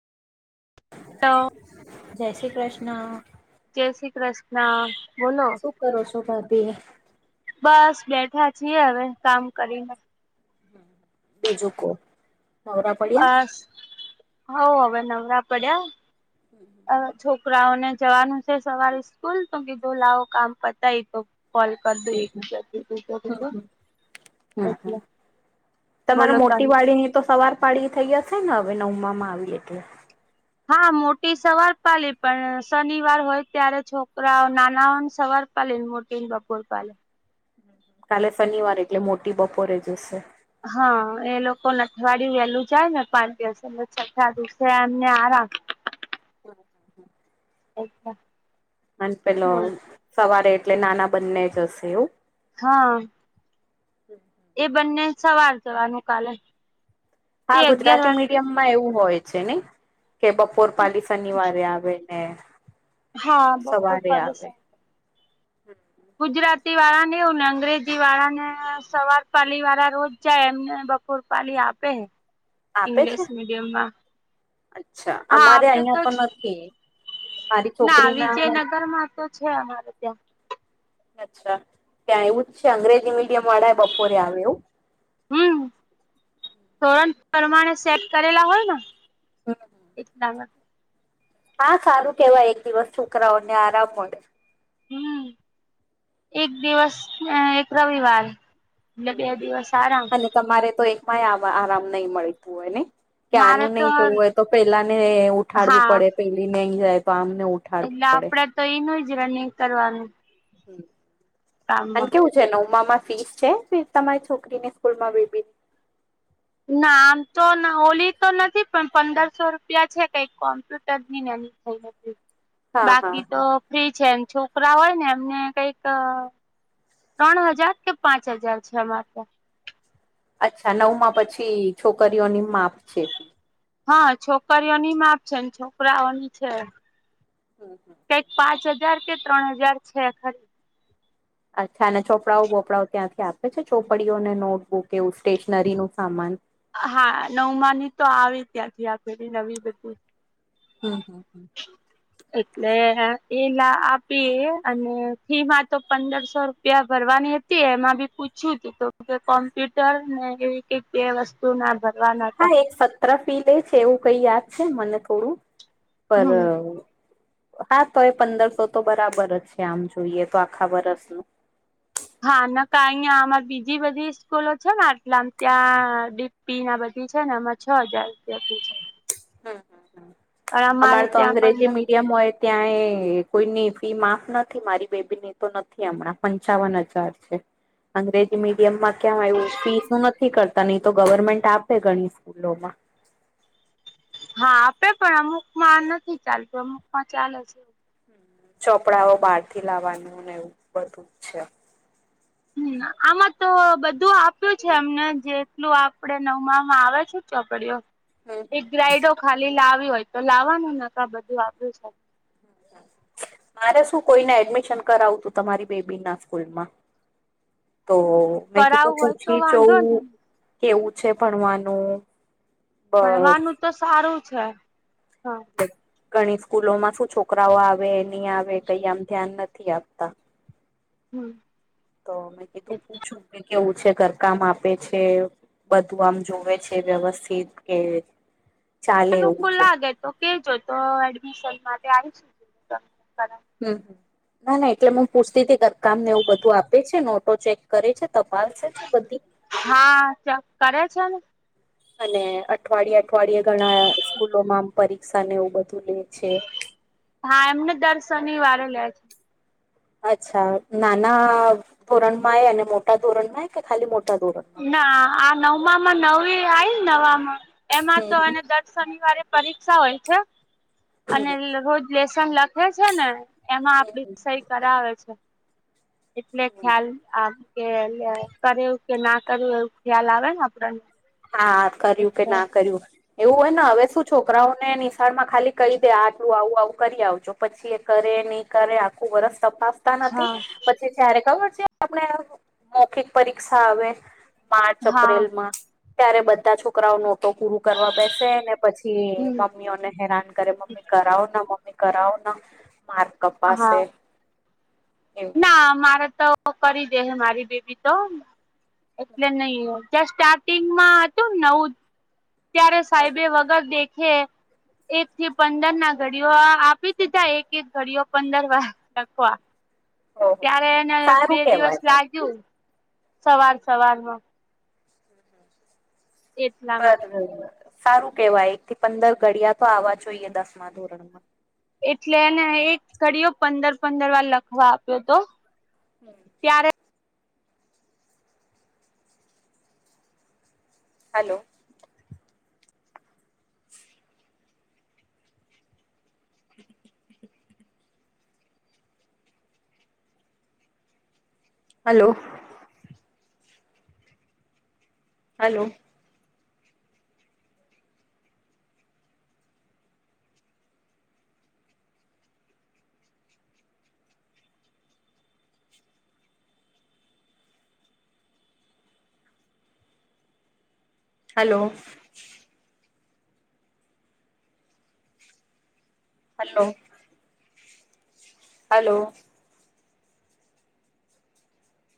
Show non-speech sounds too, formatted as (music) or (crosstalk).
Hello જય શ્રી કૃષ્ણ. જય શ્રી કૃષ્ણ બોલો. શું કરો છો ભાભી? બસ બેઠા છીએ હવે કામ કરીને. બીજું કો નવરા પડ્યા બસ હો હવે નવરા પડ્યા. હમ્મ હવે છોકરાઓને જવાનું છે સવારે સ્કૂલ તો કીધું લાવો કામ પતાય તો. કોલ કરીદું એક (unintelligible) હમ હમ એટલે તમારા બોલો મોટી તમે વાડી તો સવાર પાડી થઈ હશે ને હવે નવમામાં આવી એટલે હા મોટી સવાર પાલી, પણ શનિવાર હોય ત્યારે છોકરા નાનાઓ ને સવાર પાલી ને મોટી ને બપોર પાલી. કાલે શનિવાર એટલે મોટી બપોરે જશે. હા એ લોકો ને અથવાડિયું વહેલું જાય ને પાચ દિવસે. એટલે છકા દુસરાને આરામ (unintelligible) અચ્છા અને પેલો સવારે એટલે નાના બંને જશે એવું? હા એ બંને સવાર જવાનું કાલે. એ હા અગિયાર ગુજરાતી વાગે મીડિયમ મા એવું હોય છે ને, કે બપોર પાલી શનિવારે આવે ને હા સવારે બપોરપાલી સ આવે ગુજરાતી વાળા ને એવું, ને અંગ્રેજી વાળા ને સવાર પાલી વાળા રોજ જાય એમને બ ફુલપાલી આપે. (inaudible) છે ઇંગ્લિશ મીડિયમમાં અચ્છા હા અમારે અહિયાં તો આપેતોજ નથી મારી ના છોકરી નથી વિજયનગરમાં તો છે હમારે ત્યાં અચ્છા ત્યાં એવુંજ છે, અંગ્રેજી મીડિયમ વાળાએ બપોરે આવે એવું હમ્મ ધોરણ પ્રમાણે સેટ કરેલા હોય ને. એટલામાં. હા સારું કેવાય એક દિવસ છોકરાઓને આરામ મળે. હમ્મ એક દિવસ એક રવિવાર. (unintelligible) સારા અને તમારે તો એકમાંય આરામ નહી મળતું હોય ને? મારે ક્યાંનું તો નહી જવું હોય તો પેલા ને ઉઠાડવું હા પડે પેલી નહીઈ જાય તો આમને ઉઠાડવું એટલે પડે આપડે તો એઈ નય જ રનિંગ કરવાનું. હ અને કામમાં કેવું છે નવમાંમાં ફીસ છે ફીસ તમારી છોકરીને સ્કૂલમાં વે ના આમ તો હોલી તો નથી પણ પંદરસો રૂપિયા છે કઈકમ ત જ નાની થઈ. નથી (inaudible) બાકી તો હા ફ્રી છે એમ છોકરા હોય ને એમને કઈક ત્રણ હજાર કે પાંચ હજાર છે માત્ર અચ્છા નવમાં પછી છોકરીઓની માફ છે. હા છોકરીઓની માપ છે ને છોકરાઓની છે. એક પાંચ હજાર કે ત્રણ હજાર છે ખરી અ્છાના ચોપડાઓ બોપડાઓ ત્યાંથી આપે છે ચોપડીઓને નોટબુક એવું સ્ટેશનરી નું સામાન હા નવમાની તો આવે ત્યાંથી આપેલી નવી બધી. હમ્મ હમ્મ હમ્મ. એટલે એલા આપીએ અને ફી માં તો પંદરસો પ્યા ભરવાની હતી એમાં બી પૂછ્યું તું તો કે કોમ્પ્યુટર ને એવી ક બે વસ્તુ ના ભર હા એક સત્ર ફી લે છે એવું કઈ યાદ છે મને થોડું પર હમ હા તો એ પંદરસો તો બરાબર જ છે આમ જોઈએ તો આખા વરસનું હા ન અહં આ બીજી બધી સ્કૂલો છે ને આટલા ત્યાં પી ના બધી છે ને એમાં છ હજાર રૂપિયા ફી છે. હ પણ અમાર અમારે તો ત્યાં પણ અંગ્રેજી મીડીયમ હોય ત્યાં કોઈની ફી માફ નથી મારી બેબી ની નથી હમ પંચ હજાર અંગ્રેજી મીડિયમ કેમ આવું ફીનું નથી કરતા નહી તો ગવર્મેન્ટ આપે ઘણી સ્કૂલો માં હા આપે પણ અમુક માં નથી ચાલતું અમુકમાં ચાલે છે. ચોપડાઓ બહાર થી લાવવાનું ને એવું બધું જ છે. હમ આમાં તો બધું આપ્યું છે એમને જેટલું આપે નવમામાં આવે છે ચોપડિયો. હમ એક ગ્રાઈડો ખાલી લાવી હોય તો લાવવાનું ન બધું આવ્યું છે. મારે શું કોઈને એડમિશન કરાવું તું તમારી બેબી ના સ્કૂલ માં. તો મેં કીધું કરાવું હોય તો પૂછી જઉં વાંધો નહી કેવું છે ભણવાનું? બસ ભણવાનું તો સારું છે હા. ઘણી સ્કૂલો માં શું છોકરાઓ આવે નહી આવે કઈ આમ ધ્યાન નથી આપતા. હમ્મ. તો મેં કીધું પૂછું કે કેવું છે ઘર કામ આપે છે. બધું આમ જોવે છે વ્યવસ્થિત કે. ચાલે એવું અનુકૂળ છે લાગે તો કેજો તો એડમિશન માટે આવીશ. હમ, ના ના, એટલે હું પુસ્તક થી કામને એવું બધું આપે છે, નોટો ચેક કરે છે. તપાસ છે, બધી હા કરે છે ને અને અઠવાડિયે અઠવાડિયે ઘણા સ્કૂલોમાં પરીક્ષા ને એવું બધું લે છે? હા એમને દર શનિવારે લે અચ્છા નાના ધોરણમાં એ અને મોટા ધોરણ માં એ કે ખાલી મોટા ધોરણ? ના આ નવમાંમાં નવી આવી નવામાં એમાં તો હમ એને દ શનિવારે પરીક્ષા હોય છે અને હમ રોજ લેસન લખે છે ને. એમાં હમ આપડી હમ સહી કરાવે છે. એટલે, હમ ખ્યાલ આ કે કરે કે ના કરાવે, એવું ખ્યાલ આવે ને આપને એમ. હા, કર્યું કે ના કર્યું. એવું હોય ને, હવે શું છોકરાઓને નિશાળ માં ખાલી કહી દે, આટલું આવું આવું કરી આવજો. પછી એ કરે, નહીં કરે, આખું વર્ષ સફાસ હતા નથી. હા પછી જયારે ખબર છે, આપણે મૌખિક પરીક્ષા આવે હા માર્ચ-એપ્રિલમાં ત્યારે બધા છોકરાઓ નોટો પૂર કરવા બેસેને, પછી પ હમ મમ્મીઓને હેરાન કરે, મમ્મી, કરાવ. મમ્મી, કરાવો ને. માર્ક હા કપાસે. ના મારે તો કરી દે. હે, મારી બેબી તો. એટલે નહીં, ત્યાં સ્ટાર્ટિંગ માં હતું ને, નવું ત્યારે હમ સાહેબે હમ વગર દેખે. એક થી પંદર ના ઘડીઓ આપી દીધા, એક-એક ઘડીઓ પંદર વાર નાખવા, ઓહ ત્યારે એને બે સારું દિવસ કેવાય પણ લાગ્યું. સવાર-સવારમાં. એટલા માટે બરબર, સારું કહેવાય. એક થી પંદર ઘડિયા તો આવવા જોઈએ, દસમા ધોરણમાં. એટલે એને એક ઘડીયો પંદર-પંદર વાર લખવા આપ્યો હતો. હમ્મ. ત્યારે hello. Hello. Hello. Hello. Hello. Hello.